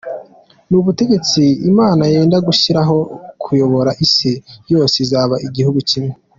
Ni ubutegetsi imana yenda gushyiraho bukayobora isi yose izaba igihugu kimwe.